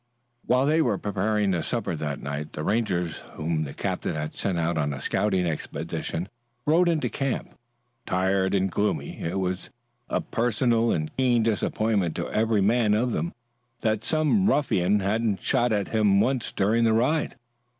While they were preparing the supper that night the Rangers whom the captain had sent out on a scouting expedition rode into camp, tired and gloomy. It was a personal and keen disappointment to every man of them that some ruffian hadn't shot at him once during the ride.